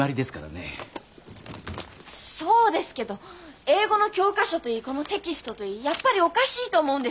そうですけど英語の教科書といいこのテキストといいやっぱりおかしいと思うんですよね。